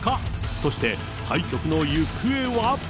そして、対局の行方は？